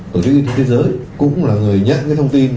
tổ chức y tế thế giới cũng là người nhận cái thông tin